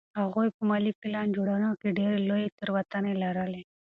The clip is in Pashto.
هغوی په مالي پلان جوړونه کې ډېرې لویې تېروتنې لرلې.